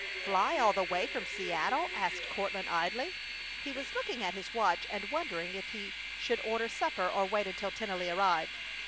"Fly all the way from Seattle?" asked Courtland, idly. He was looking at his watch and wondering if he should order supper or wait until Tennelly arrived.